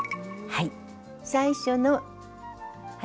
はい。